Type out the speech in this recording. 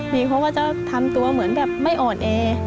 มีเขาก็จะทำตัวเหมือนแบบไม่อ่อนแอ